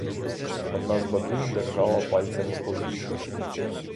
Одна з бабів держала пальцями повіки.